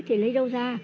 thì lấy đâu ra